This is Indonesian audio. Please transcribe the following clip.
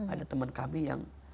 ada teman kami yang